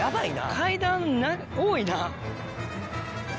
階段多いな。